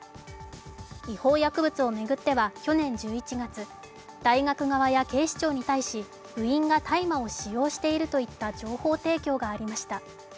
違法薬物を巡っては去年１１月、大学側や警視庁に対し部員が大麻を使用しているといった情報提供がありました。